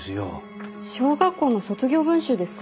小学校の卒業文集ですか？